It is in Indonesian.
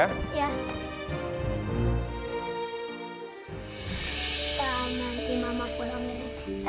ntar nanti mamaku nominnya